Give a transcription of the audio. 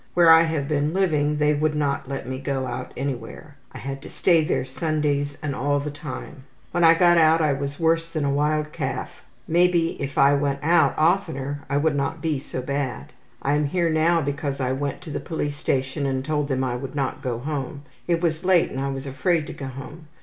Where I have been living they would not let me go out anywhere. I had to stay there Sundays and all the time. When I got out I was worse than a wild calf. Maybe if I went out oftener I would not be so bad. I am here now because I went to the police station and told them I would not go home. It was late and I was afraid to go home.